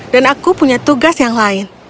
dan aku punya tugas yang lain